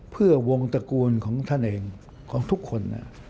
เพื่อวงตระกูลของท่านเองของทุกคน